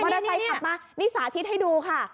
เตอร์ไซค์ขับมานี่สาธิตให้ดูค่ะ